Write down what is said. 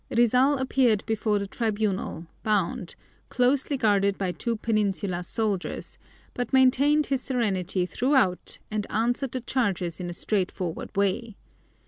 Rizal appeared before the tribunal bound, closely guarded by two Peninsular soldiers, but maintained his serenity throughout and answered the charges in a straightforward way.